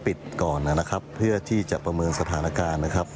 ปิดก่อนนะครับเพื่อที่จะประเมินสถานการณ์นะครับ